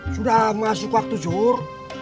sudah masuk waktu zuhur